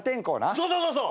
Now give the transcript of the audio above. そうそうそうそう！